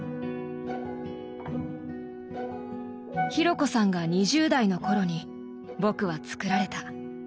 紘子さんが２０代のころに僕は作られた。